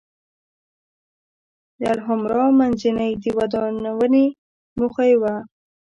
د الحمرأ منځۍ د ودانونې موخه یې وه.